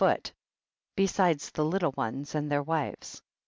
foot, besides the little ones and their wives.